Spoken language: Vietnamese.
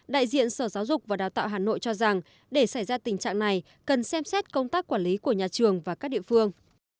đại diện sở giáo dục và đào tạo hà nội cho rằng để xảy ra tình trạng này cần xem xét công tác quản lý của nhà trường và các địa phương